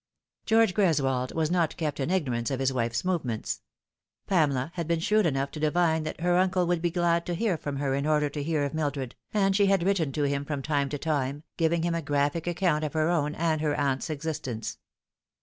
George Greswold was not kept in ignorance of his wife's movements. Pamela had been shrewd enough to divine that her uncle would be glad to hear from her in order to hear of Mildred, and she had written to him from time to time, giving him a graphic account of her own and her aunt's existence.